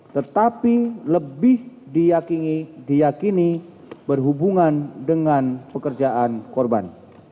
tetapi lebih diakini berhubungan dengan pekerjaan korban